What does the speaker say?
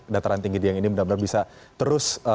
dataran tinggi dieng ini benar benar bisa terus